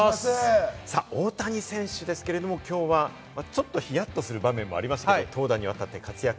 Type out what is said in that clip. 大谷選手ですが、今日はちょっとヒヤッとする場面もありましたけど、投打にわたって活躍。